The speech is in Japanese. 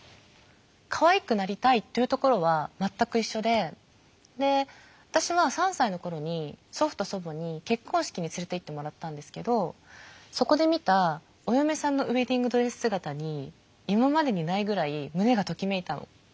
かわいくなりたいっていうところは全く一緒でで私は３歳の頃に祖父と祖母に結婚式に連れていってもらったんですけどそこで見たお嫁さんのウエディングドレス姿に今までにないぐらい胸がときめいたの。